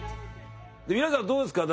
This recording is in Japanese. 皆さんどうですか？